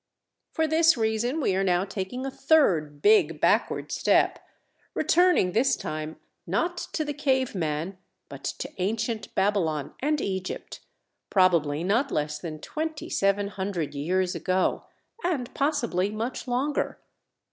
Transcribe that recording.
For this reason we are now taking a third big backward step, returning, this time, not to the caveman but to ancient Babylon and Egypt, probably not less than twenty seven hundred years ago and possibly much longer.